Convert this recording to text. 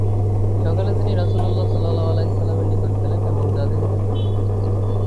সকালে তিনি রাসূলুল্লাহ সাল্লাল্লাহু আলাইহি ওয়াসাল্লামের নিকট গেলেন এবং যা দেখেছেন তার সংবাদ দিলেন।